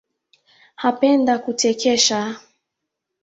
Apenda kutekesha